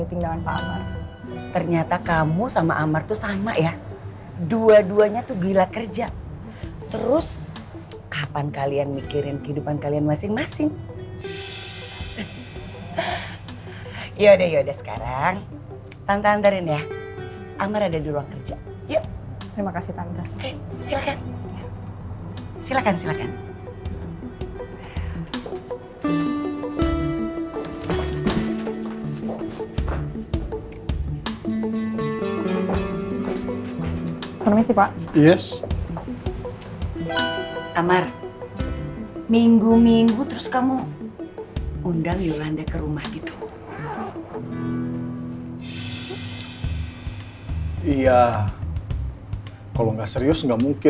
ibu saya mau mandi